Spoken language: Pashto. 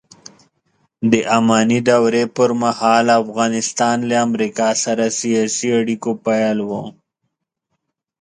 د اماني دورې پرمهال افغانستان له امریکا سره سیاسي اړیکو پیل و